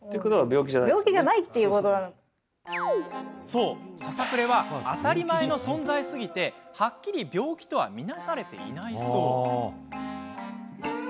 そう、ささくれは当たり前の存在すぎてはっきり病気とは見なされていないそう。